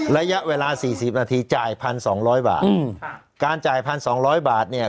ระยะเวลาสี่สิบนาทีจ่ายพันสองร้อยบาทอืมการจ่ายพันสองร้อยบาทเนี่ย